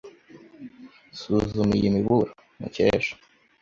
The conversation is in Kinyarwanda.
Suzuma iyi miburo, Mukesha.